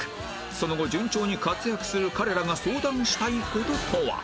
その後順調に活躍する彼らが相談したい事とは？